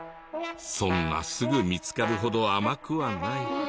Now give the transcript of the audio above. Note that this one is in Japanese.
そんなすぐ見つかるほど甘くはない。